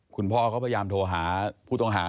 คุณพ่อพยาบโทรหาผู้ต้องหา